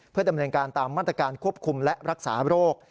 เพื่อดำเนินการตามมาตรการควบคุมและรักษาโรค